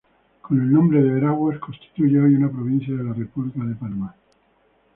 Con el nombre de Veraguas, constituye hoy una provincia de la República de Panamá.